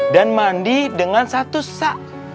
dan mandi dengan satu sa